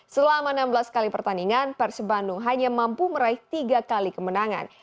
selama enam belas kali pertandingan persib bandung hanya mampu meraih tiga kali kemenangan